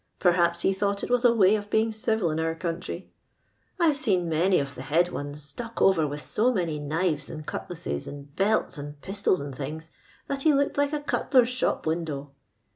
Perhaps he thought it was avaj" of being civil in our country 1 I've seen some of tlie head ones stuck over with so bmot knives, and cutlasses, and belts, and pistol^ an<l things, that he looked like a cutler's shop window.